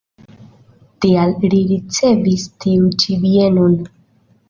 Tial li ricevis tiu ĉi bienon.